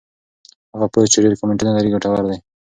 هغه پوسټ چې ډېر کمنټونه لري ګټور دی.